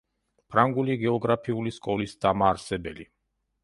ფრანგული გეოგრაფიული სკოლის დამაარსებელი.